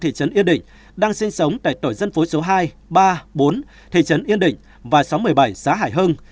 thị trấn yên định đang sinh sống tại tổ dân phố số hai ba bốn thị trấn yên định và xóm một mươi bảy xá hải hưng